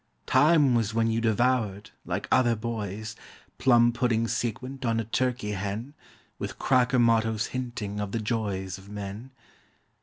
Time was when you devoured, like other boys, Plum pudding sequent on a turkey hen; With cracker mottos hinting of the joys Of men.